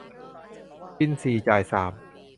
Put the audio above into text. กินสี่จ่ายสาม